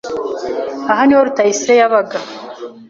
Aha niho Rutayisire yabaga.